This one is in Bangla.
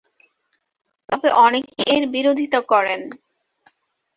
তবে অনেকেই এর বিরোধিতা করেন।